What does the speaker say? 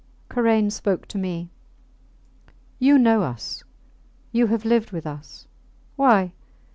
Karain spoke to me. You know us. You have lived with us. Why?